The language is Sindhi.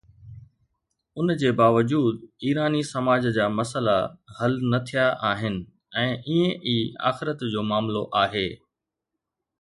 ان جي باوجود ايراني سماج جا مسئلا حل نه ٿيا آهن ۽ ائين ئي آخرت جو معاملو آهي.